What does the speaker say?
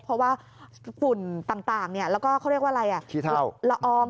เพราะว่าฝุ่นต่างเนี่ยแล้วก็เขาเรียกว่าอะไร